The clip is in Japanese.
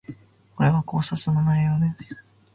これは考察の内容です